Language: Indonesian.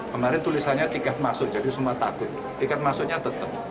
kemarin tulisannya tiket masuk jadi semua takut tiket masuknya tetap